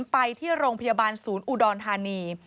ไปที่โรงพยาบาลศูนย์อุดรธานี